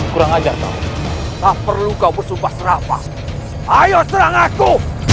kurang ajar kau tak perlu kau bersumpah serapa ayo serang aku